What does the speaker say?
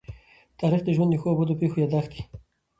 تاریخ د ژوند د ښو او بدو پېښو يادښت دی.